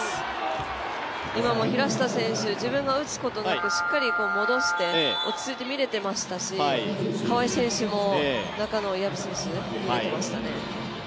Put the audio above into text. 今も平下選手、自分が打つことなくしっかり戻して落ち着いて見れていましたし川井選手も中の薮選手、見てましたね。